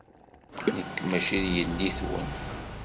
Nekk maci d yelli-twen.